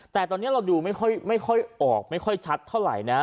แต่ตอนนี้เราดูไม่ค่อยออกไม่ค่อยชัดเท่าไหร่นะ